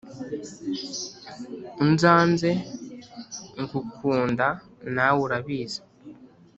unzanze ngukunda nawe urabizi